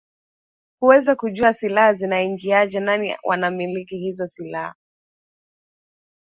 kuweza kujua silaha zinaiingiaje nani wanamiliki hizo silaha